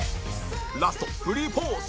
ラストフリーポーズ